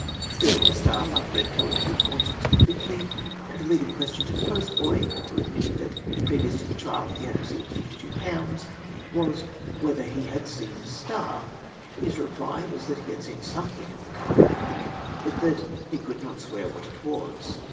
Still a star, hke a red coat, was wanted to convict me, and a leading question to the postboy — who ?(,& laiUQdiih^it., previous to the trial, he had received 52/. !!! was, whether he had seen a star ? His reply was that he had seen something of the kind, but that " he could not swear what it was.''